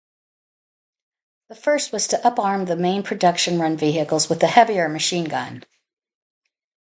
The first was to uparm the main production run vehicles with a heavier machine-gun.